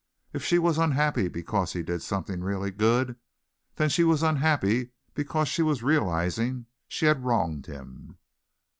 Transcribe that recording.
If she was unhappy because he did something really good, then she was unhappy because she was realizing she had wronged him.